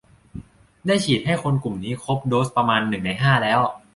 ได้ฉีดให้คนกลุ่มนี้ครบโดสประมาณหนึ่งในห้าแล้ว